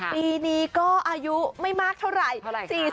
ปีนี้ก็อายุไม่มากเท่าไหร่